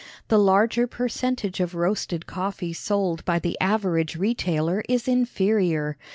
The larger percentage of roasted coffee sold by the average retailer is inferior.